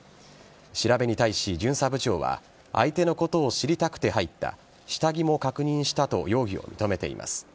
調べに対し巡査部長は相手のことを知りたくて入った下着も確認したと容疑を認めています。